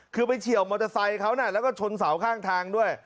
คือไปเฉียวมอเตอร์ไซค์เขานะแล้วก็ชนเสาข้างทางด้วย